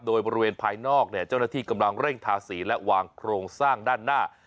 โดยบริเวณภายนอกเจ้าหน้าที่กำลังเร่งทาสีและวางโครงสร้างด้านหน้า